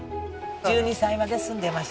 １２歳まで住んでました